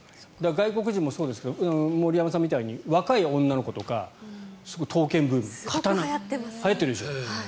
外国人もそうですが森山さんみたいに若い女の子とか、刀剣ブーム。すごくはやってます。